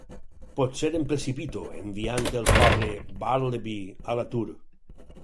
Potser em precipito, enviant el pobre Bartleby a l'atur.